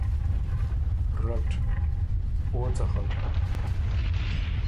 رټ: او څخل؟